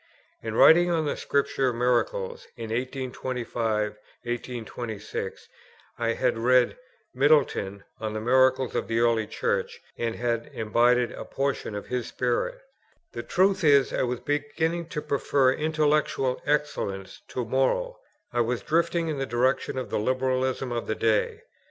In writing on the Scripture Miracles in 1825 6, I had read Middleton on the Miracles of the early Church, and had imbibed a portion of his spirit. The truth is, I was beginning to prefer intellectual excellence to moral; I was drifting in the direction of the Liberalism of the day.